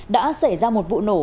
đã xảy ra một vụ nổ